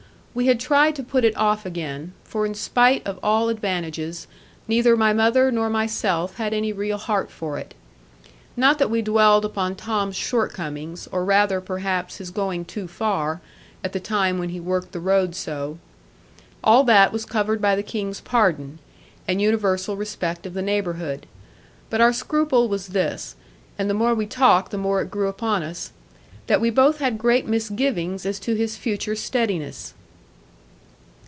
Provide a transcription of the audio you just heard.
We had tried to put it off again; for in spite of all advantages, neither my mother nor myself had any real heart for it. Not that we dwelled upon Tom's short comings or rather perhaps his going too far, at the time when he worked the road so. All that was covered by the King's pardon, and universal respect of the neighbourhood. But our scruple was this and the more we talked the more it grew upon us that we both had great misgivings as to his future steadiness.